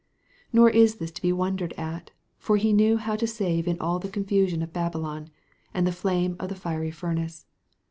Nor is this to be wondered at; for he knew how to save in all the confusion of Babylon, and the flame of the fiery furnace.